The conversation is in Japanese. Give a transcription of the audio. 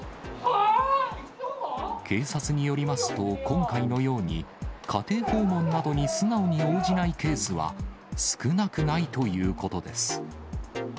警察によりますと、今回のように、家庭訪問などに素直に応じないケースは少なくないということです。